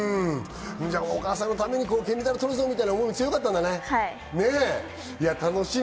お母さんのために金メダル取るぞという思いも強かったんだろうね。